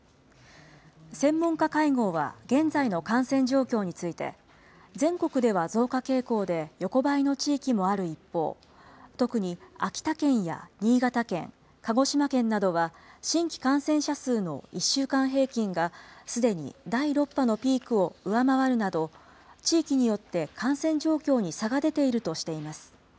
専門家会合は、現在の感染状況について、全国では増加傾向で、横ばいの地域もある一方、特に秋田県や新潟県、鹿児島県などは新規感染者数の１週間平均が、すでに第６波のピークを上回るなど、地域によって感染状況に差が出ているとしています。